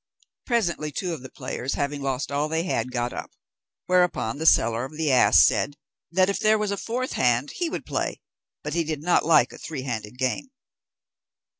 Presently two of the players, having lost all they had, got up; whereupon the seller of the ass said, that, if there was a fourth hand, he would play, but he did not like a three handed game.